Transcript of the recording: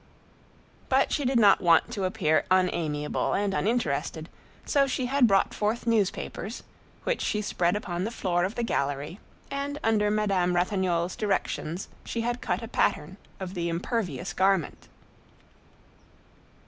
But she did not want to appear unamiable and uninterested, so she had brought forth newspapers, which she spread upon the floor of the gallery, and under Madame Ratignolle's directions she had cut a pattern of the impervious garment.